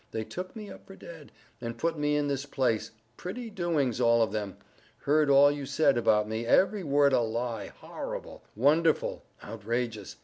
—they took me up for dead, and put me in this place—pretty doings all of them!—heard all you said about me—every word a lie—horrible!—wonderful!—outrageous!